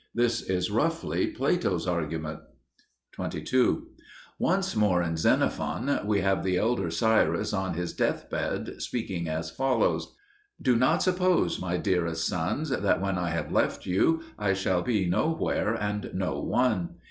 This is roughly Plato's argument. 22. Once more in Xenophon we have the elder Cyrus on his deathbed speaking as follows: "Do not suppose, my dearest sons, that when I have left you I shall be nowhere and no one.